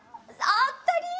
あったり！